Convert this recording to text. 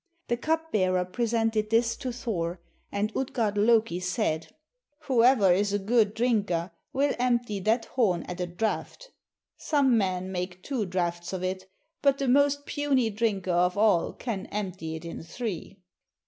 The cup bearer presented this to Thor, and Utgard Loki said "Whoever is a good drinker will empty that horn at a draught. Some men make two draughts of it, but the most puny drinker of all can empty it in three."